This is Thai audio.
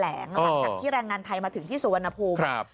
น้ำแข็งที่แรงงานไทยมาถึงที่สุวรรณภูมิครับ